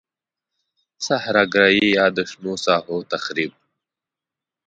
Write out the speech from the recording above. صحرا ګرایی یا د شنو ساحو تخریب.